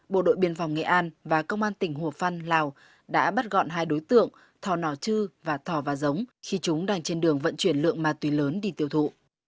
bộ đội biên phòng nghệ an và công an tỉnh hồ phân lào đã bắt gọn hai đối tượng thò nò chư và thỏ và giống khi chúng đang trên đường vận chuyển lượng ma túy lớn đi tiêu thụ